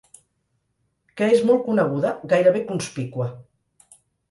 Que és molt coneguda, gairebé conspícua.